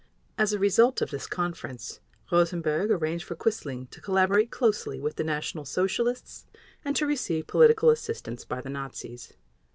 As a result of this conference Rosenberg arranged for Quisling to collaborate closely with the National Socialists and to receive political assistance by the Nazis.